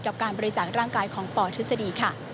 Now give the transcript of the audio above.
กับการบริจาคร่างกายของปทฤษฎีค่ะ